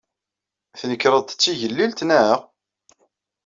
Tnekreḍ-d d tigellilt, naɣ?